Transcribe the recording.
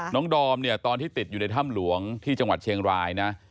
ดอมเนี่ยตอนที่ติดอยู่ในถ้ำหลวงที่จังหวัดเชียงรายนะ